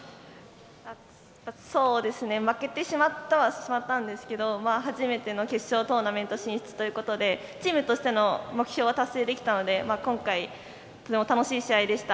そうですね負けてしまったはしまったんですけど初めての決勝トーナメント進出ということでチームとしての目標は達成できたので今回とても楽しい試合でした。